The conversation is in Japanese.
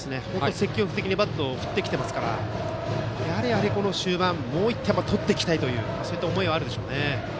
積極的にバットを振ってきていますからこの終盤もう１点取っていきたい思いはあるでしょうね。